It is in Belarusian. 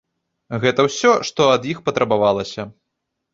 Гэта ўсё, што ад іх патрабавалася.